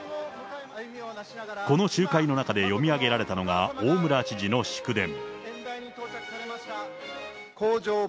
この集会の中で読み上げられたのが大村知事の祝電。